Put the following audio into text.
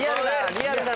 リアルだ！